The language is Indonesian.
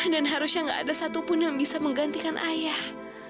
dan harusnya nggak ada satupun yang bisa menggantikan ayah